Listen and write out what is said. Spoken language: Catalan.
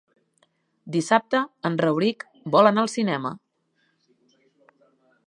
Dissabte en Rauric vol anar al cinema.